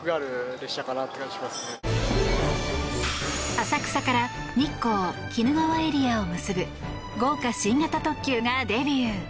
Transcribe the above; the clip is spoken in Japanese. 浅草から日光・鬼怒川エリアを結ぶ豪華新型特急がデビュー。